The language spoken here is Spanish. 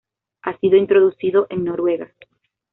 Ha sido introducido en Noruega.